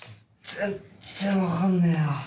全然分かんねえな。